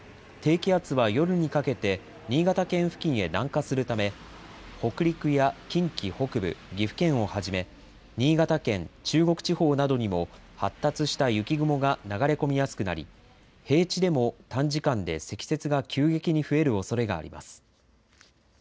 低気圧は夜にかけて新潟県付近へ南下するため、北陸や近畿北部、岐阜県をはじめ、新潟県、中国地方などにも発達した雪雲が流れ込みやすくなり、平地でも短時間で積雪が急激に増えるおそれがあります。